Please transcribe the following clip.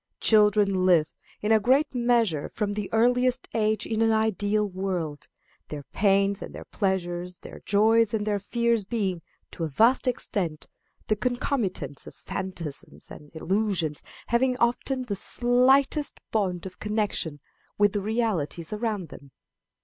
Children live, in a great measure, from the earliest age in an ideal world their pains and their pleasures, their joys and their fears being, to a vast extent, the concomitants of phantasms and illusions having often the slightest bond of connection with the realities around them.